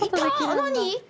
何？